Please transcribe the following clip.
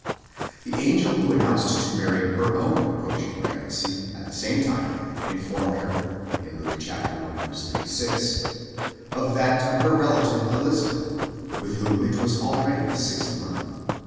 The angel who announced to Mary her own approaching pregnancy, at the same time informed her (Luke i. 36) of that of her relative Elizabeth, with. whom it was already the sixth month.